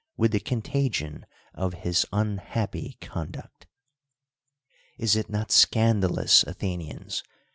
ith the contagion of his unhax:>py conduct. Is it not scandalous, Athenians